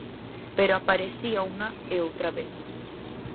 Pero aparecía unha e outra vez.